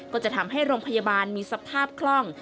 ก็จะทำให้โรงพยาบาลมีสภาพคล่อง